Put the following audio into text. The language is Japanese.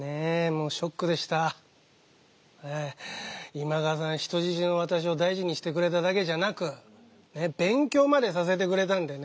今川さん人質の私を大事にしてくれただけじゃなく勉強までさせてくれたんでね